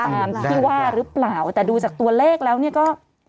ตามที่ว่าหรือเปล่าแต่ดูจากตัวเลขแล้วเนี่ยก็